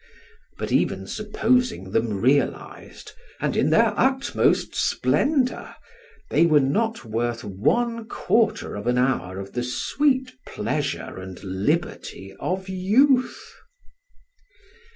But even supposing them realized, and in their utmost splendor, they were not worth one quarter of an hour of the sweet pleasure and liberty of youth.